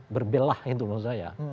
berbelah itu menurut saya